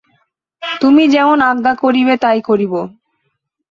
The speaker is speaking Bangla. তুমি যেমন আজ্ঞা করিবে তাই করিব।